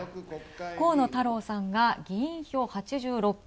河野太郎さんが議員票８６票。